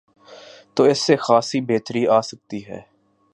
تو اس سے خاصی بہتری آ سکتی ہے۔